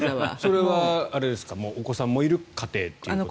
それはお子さんもいる家庭ということですか。